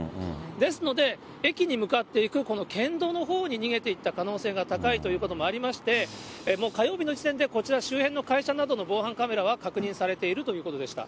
ですので、駅に向かって行く、この県道のほうに逃げていった可能性のほうが高いということもありまして、もう火曜日の時点でこちら、会社の周辺のほうの防犯カメラは確認されているということでした。